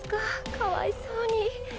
かわいそうに」